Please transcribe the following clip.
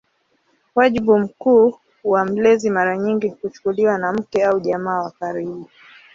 Wajibu mkuu wa mlezi mara nyingi kuchukuliwa na mke au jamaa wa karibu.